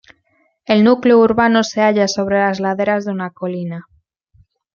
El núcleo urbano se halla sobre las laderas de una colina.